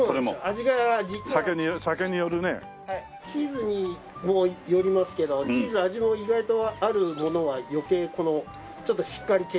チーズにもよりますけどチーズ味の意外とあるものは余計このちょっとしっかり系の。